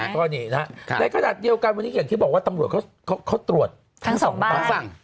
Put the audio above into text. ก็นี่นะครับในขณะเดียวกันวันนี้อย่างที่บอกว่าตำรวจเขาตรวจทั้งสองฝั่ง